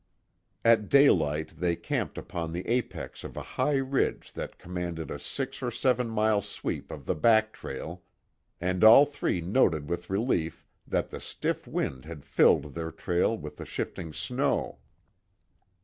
At daylight they camped upon the apex of a high ridge that commanded a six or seven mile sweep of the back trail, and all three noted with relief that the stiff wind had filled their trail with the shifting snow.